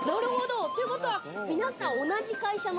ということは皆さん、同じ会社の。